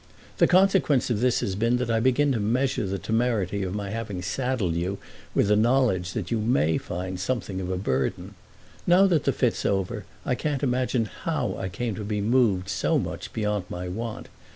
The consequence of this has been that I begin to measure the temerity of my having saddled you with a knowledge that you may find something of a burden. Now that the fit's over I can't imagine how I came to be moved so much beyond my wont.